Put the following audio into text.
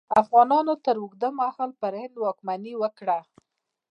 افغانانو تر اوږده مهال پر هند واکمني وکړه.